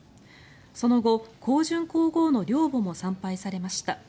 その後、香淳皇后の陵墓も参拝されました。